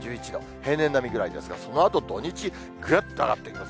平年並みぐらいですが、そのあと土日、ぐっと上がってきます。